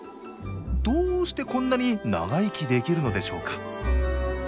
どうしてこんなに長生きできるのでしょうか？